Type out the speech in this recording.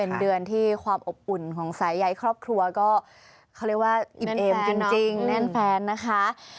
เป็นเดือนที่ความอบอุ่นของสายใยครอบครัวก็เขาเรียกว่าอิ่มเอมจริงแน่นแฟนนะคะ